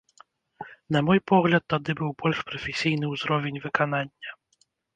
На мой погляд, тады быў больш прафесійны ўзровень выканання.